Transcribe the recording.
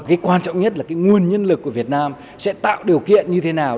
cái quan trọng nhất là cái nguồn nhân lực của việt nam sẽ tạo điều kiện như thế nào